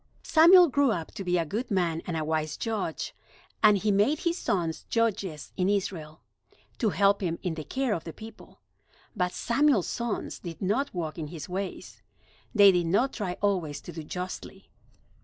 Samuel grew up to be a good man and a wise Judge, and he made his sons Judges in Israel, to help him in the care of the people. But Samuel's sons did not walk in his ways. They did not try always to do justly.